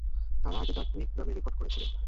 তারা আগে the quick নামে রেকর্ড করেছিল।